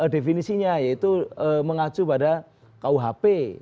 definisinya yaitu mengacu pada kuhp